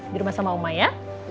dirumah sama oma ya